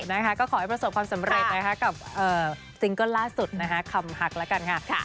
นะคะก็ขอให้ประสบความสำเร็จนะคะกับซิงเกิ้ลล่าสุดนะคะคำฮักแล้วกันค่ะ